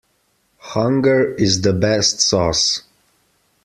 Hunger is the best sauce.